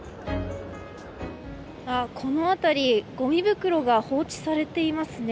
この辺りごみ袋が放置されていますね。